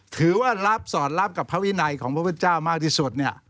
ถือว่ารับสอดรับกับพระวินัยของพระพุทธเจ้ามากที่สุดเนี่ย